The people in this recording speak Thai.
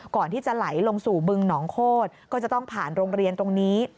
ก่อนที่จะไหลลงสู่บึงหนองโคตรก็จะต้องผ่านโรงเรียนตรงนี้